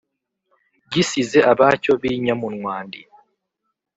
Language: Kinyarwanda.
gisize abacyo b’inyamunwandi?”